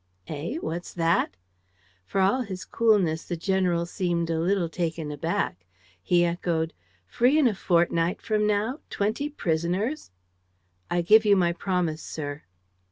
"Eh? What's that?" For all his coolness, the general seemed a little taken aback. He echoed: "Free in a fortnight from now! Twenty prisoners!" "I give you my promise, sir."